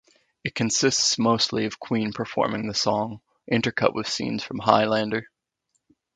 It consists mostly of Queen performing the song, intercut with scenes from "Highlander".